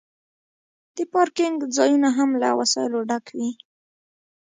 د پارکینګ ځایونه هم له وسایلو ډک وي